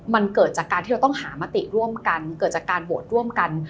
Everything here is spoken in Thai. มันเกิดจากการที่เราต้องหามติร่วมกันเกิดจากการโหวตร่วมกัน